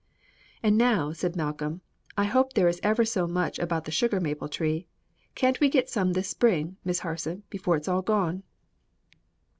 "And now," said Malcolm, "I hope there is ever so much about the maple sugar tree. Can't we get some this spring, Miss Harson, before it's all gone?"